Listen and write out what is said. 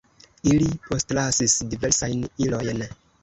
Ili postlasis diversajn ilojn.